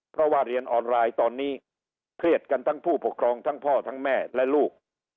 เพราะว่าเรียนออนไลน์ตอนนี้เครียดกันทั้งผู้ปกครองทั้งพ่อทั้งแม่และลูก